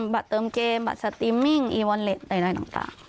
บัตรเติมเกมบัตรสตริมมิ่งอีวอลแลทเนื้อหลายต่าง